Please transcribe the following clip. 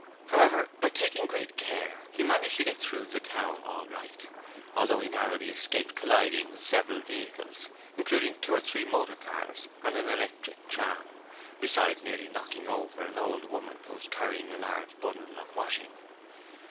However, by taking great care he managed to get through the town all right, although he narrowly escaped colliding with several vehicles, including two or three motor cars and an electric tram, besides nearly knocking over an old woman who was carrying a large bundle of washing.